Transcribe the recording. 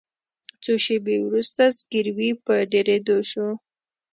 څو شیبې وروسته زګیروي په ډیریدو شو.